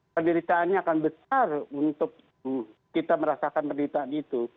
penderitaannya akan besar untuk kita merasakan penderitaan itu